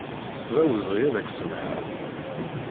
D awezɣi ad ak-samḥeɣ.